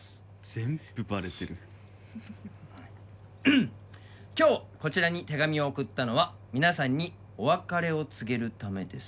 全部バレてる「今日こちらに手紙を送ったのは皆さんにお別れを告げるためです」